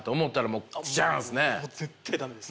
もう絶対駄目です。